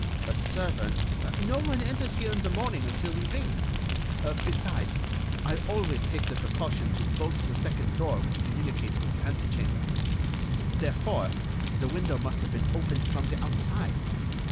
"A servant——" "No one enters here in the morning until we ring. Besides, I always take the precaution to bolt the second door which communicates with the ante chamber. Therefore, the window must have been opened from the outside.